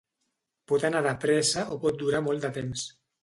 Pot anar de pressa o pot durar molt de temps.